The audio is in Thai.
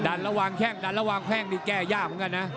ดันแล้ววางแข้งดันแล้ววางแข้งดีแก้ยากเหมือนกันนะ